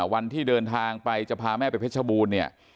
วันที่เดินทางไปจะพาแม่ไปเพชรบูรณ์เนี่ย